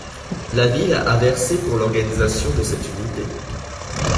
La ville a versé pour l'organisation de cette unité.